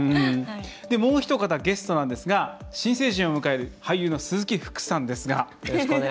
もうおひと方ゲストなんですが新成人を迎える俳優の鈴木福さんですが。